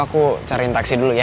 aku cariin taksi dulu ya